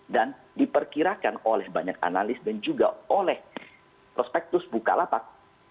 dan diperkirakan oleh banyak analis dan juga oleh prospektus bukalapak